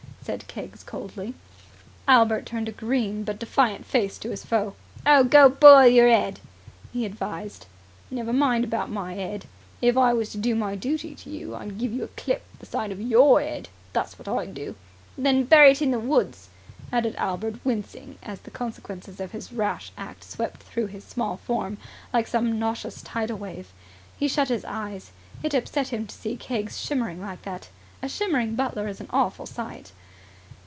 said Keggs coldly. Albert turned a green but defiant face to the foe. "Go and boil yer 'ead!" he advised. "Never mind about my 'ead. If I was to do my duty to you, I'd give you a clip side of your 'ead, that's what I'd do." "And then bury it in the woods," added Albert, wincing as the consequences of his rash act swept through his small form like some nauseous tidal wave. He shut his eyes. It upset him to see Keggs shimmering like that. A shimmering butler is an awful sight.